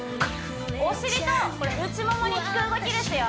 お尻と内モモにきく動きですよ